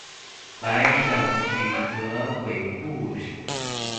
來講幾則鬼故事